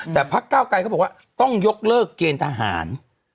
แต่พักเก้าไกรเขาบอกว่าต้องยกเลิกเกณฑ์ทหาร